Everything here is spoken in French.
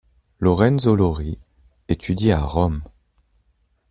Lorenzo Lauri étudie à Rome.